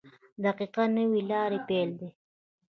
• دقیقه د نوې لارې پیل دی.